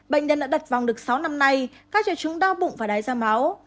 bệnh nhân đã đặt vòng được sáu năm nay các trẻ trứng đau bụng và đáy ra máu